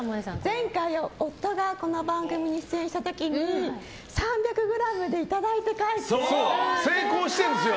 前回、夫がこの番組に出演した時に３００ｇでいただいて帰ってきて。